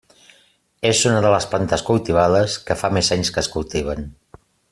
És una de les plantes cultivades que fa més anys que es cultiven.